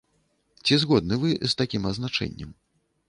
Ці згодны вы з такім азначэннем?